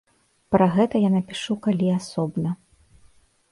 Пра гэта я напішу калі асобна.